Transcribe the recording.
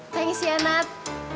thanks ya nat